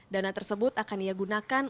dana tersebut akan ia gunakan